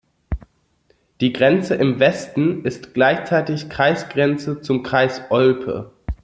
Die Grenze im Westen ist gleichzeitig Kreisgrenze zum Kreis Olpe.